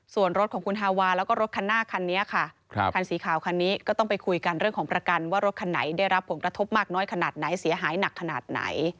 ส่วนรถของคุณฮาวาแล้วก็รถคันหน้าคันนี้ค่ะคันสีขาวคันนี้ก็ต้องไปคุยกันเรื่องของประกันว่ารถคันไหนได้รับผลกระทบมากน้อยขนาดไหนเสียหายหนักขนาดไหน